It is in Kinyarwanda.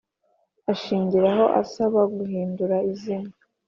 Ashingiraho asaba guhindura izina